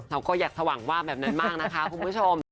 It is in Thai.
เราก็อยากสว่างว่าแบบนั้นมากนะคะคุณผู้ชม